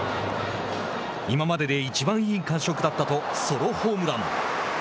今まででいちばんいい感触だったとソロホームラン。